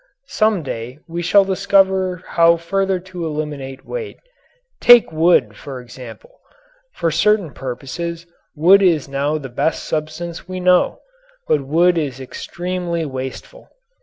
Some day we shall discover how further to eliminate weight. Take wood, for example. For certain purposes wood is now the best substance we know, but wood is extremely wasteful.